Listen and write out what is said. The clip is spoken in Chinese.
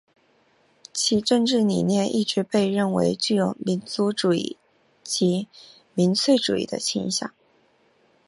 其政治理念一直被认为具有民族主义及民粹主义的倾向。